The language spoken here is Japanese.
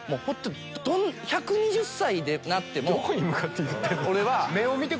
１２０歳になっても俺は。